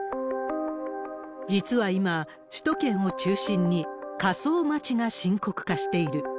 実は今、首都圏を中心に火葬待ちが深刻化している。